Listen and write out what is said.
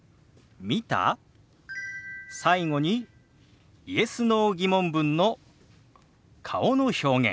最後にＹｅｓ／Ｎｏ−疑問文の顔の表現。